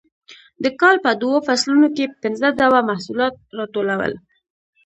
د کال په دوو فصلونو کې پنځه ډوله محصولات راټولول